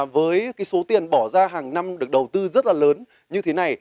với số tiền bỏ ra hàng năm được đầu tư rất là lớn như thế này